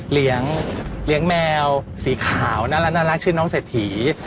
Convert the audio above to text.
เลี้ยงแมวสีขาวน่ารักชื่อน้องเศรษฐี